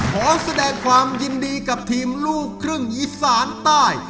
ขอแสดงความยินดีกับทีมลูกครึ่งอีสานใต้